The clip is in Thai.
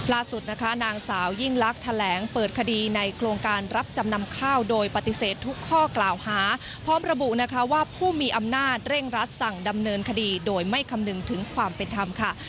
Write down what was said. ล่าสุดนะคะนางสาวยิ่งลักษณ์แถลงเปิดคดีในโครงการรับจำนำข้าวโดยปฏิเสธทุกข้อกล่าวหาพร้อมระบุนะคะว่าผู้มีอำนาจเร่งรัดสั่งดำเนินคดีโดยไม่คำนึงถึงความเป็นธรรมค่ะ